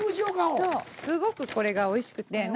すごくこれがおいしくて。